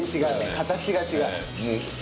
形が違う。